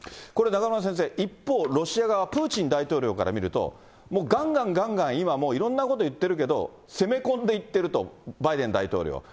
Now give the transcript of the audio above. これ、中村先生、一方、ロシア側は、プーチン大統領から見ると、もうがんがんがんがん今もういろんなこと言ってるけど、攻め込んでいってると、バイデン大統領。